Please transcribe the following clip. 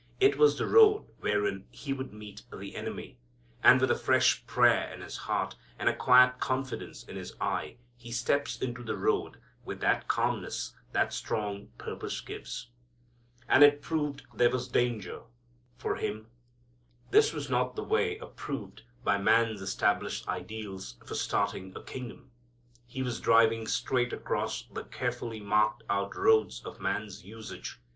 It was the road wherein He would meet the enemy. And with a fresh prayer in His heart and a quiet confidence in His eye He steps into the road with that calmness that strong purpose gives. As it proved there was danger here for Him. This was not the way approved by man's established ideals for starting a kingdom. He was driving straight across the carefully marked out roads of man's usage.